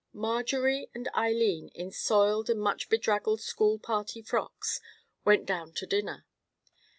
Marjorie and Eileen, in soiled and much bedraggled school party frocks, went down to dinner.